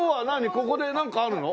ここでなんかあるの？